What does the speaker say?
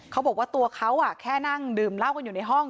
เขาบอกว่าตัวเขาแค่นั่งดื่มเหล้ากันอยู่ในห้อง